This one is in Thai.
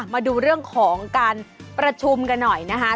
มาดูเรื่องของการประชุมกันหน่อยนะคะ